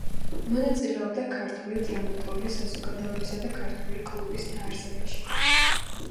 მონაწილეობდა ქართული დრამატული საზოგადოებისა და ქართული კლუბის დაარსებაში.